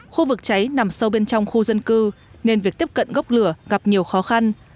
khu vực cháy nằm sâu bên trong khu dân cư nên việc tiếp cận gốc lửa gặp nhiều khó khăn